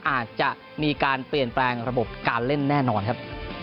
อาจจะมีการเปลี่ยนแปลงระบบการเล่นแน่นอนครับ